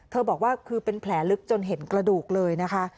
บอกว่าคือเป็นแผลลึกจนเห็นกระดูกเลยนะคะ